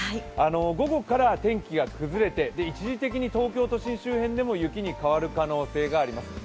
午後から天気が崩れて一時的に東京都心周辺でも雪に変わる可能性があります。